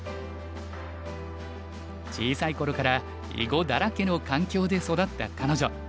小さい頃から囲碁だらけの環境で育った彼女。